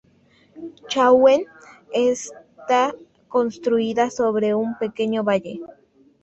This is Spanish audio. Chauen está construida sobre un pequeño valle.